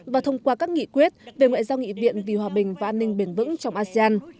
và thông qua các nghị quyết về ngoại giao nghị viện vì hòa bình và an ninh bền vững trong asean